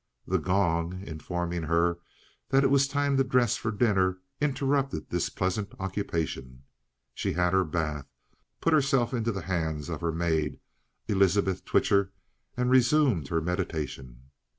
The gong, informing her that it was time to dress for dinner, interrupted this pleasant occupation. She had her bath, put herself into the hands of her maid, Elizabeth Twitcher, and resumed her meditation.